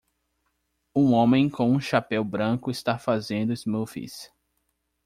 Um homem com um chapéu branco está fazendo smoothies.